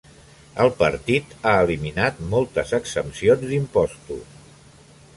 El partit ha eliminat moltes exempcions d'impostos.